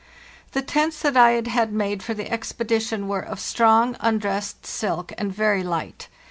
The tents that I had had made for the expedition were of strong undressed silk and very light.